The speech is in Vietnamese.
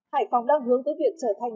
hải phòng đang hướng tới việc trở thành